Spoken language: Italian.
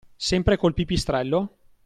Sempre col pipistrello?